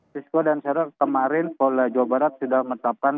sisko dan serer kemarin pola jawa barat sudah mengatakan